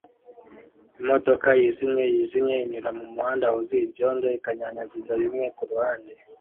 Imodoka yijimye yijimye inyura mumuhanda wuzuye ibyondo ikanyanyagiza bimwe kuruhande